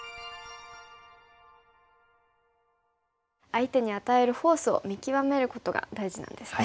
相手に与えるフォースを見極めることが大事なんですね。